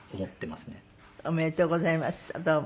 おめでとうございましたどうも。